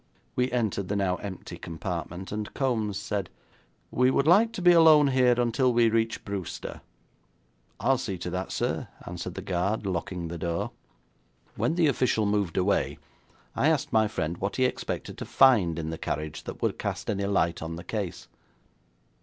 We entered the now empty compartment, and Kombs said: 'We would like to be alone here until we reach Brewster.' 'I'll see to that, sir,' answered the guard, locking the door. When the official moved away, I asked my friend what he expected to find in the carriage that would cast any light on the case.